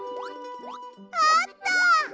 あった！